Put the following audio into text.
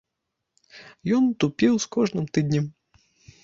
Ён тупеў з кожным тыднем.